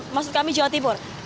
maksud kami jawa tibur